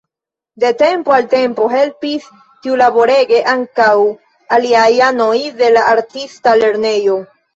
De tempo al tempo helpis tiulaborege ankaŭ aliaj anoj de la artista lernejo.